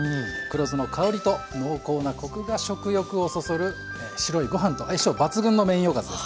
黒酢の香りと濃厚なコクが食欲をそそる白いご飯と相性抜群のメインおかずですね。